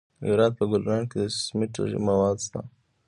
د هرات په ګلران کې د سمنټو مواد شته.